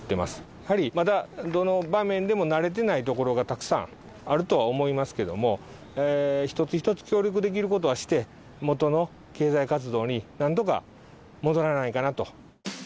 やはりまだどの場面でも慣れてないところがたくさんあるとは思いますけども、一つ一つ協力できることはして、もとの経済活動になんとか戻らないかなと。